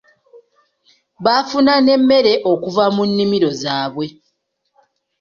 Bafuna n'emmere okuva mu nnimiro zaabwe.